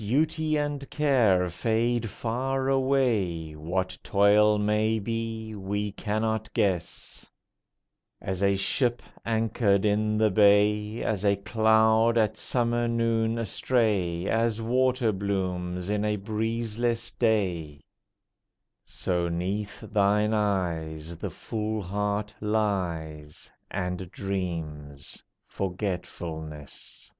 Duty and care fade far away What toil may be we cannot guess: As a ship anchored in the bay, As a cloud at summer noon astray, As water blooms in a breezeless day; So,'neath thine eyes, The full heart lies, And dreams, Forgetfulness!